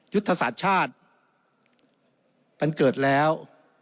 ยุทธศาสตร์ชาติมันเกิดแล้ว